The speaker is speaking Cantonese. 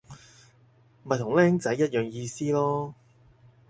咪同僆仔一樣意思囉